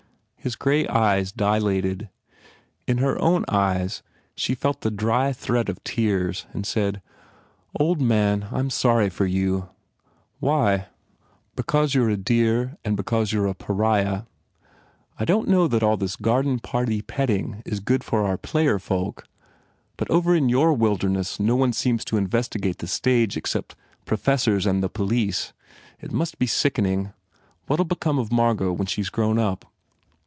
His grey eyes dilated. In her own eyes she felt the dry threat of tears and said, "Old man, I m sorry for you." "Why?" "Because you re such a dear and because you re a pariah. I don t know that all this garden party petting is good for our player folk but over in your wilderness no one seems to investigate the stage except professors and the police. It must be sickening. ... What ll become of Margot when she s grown up?"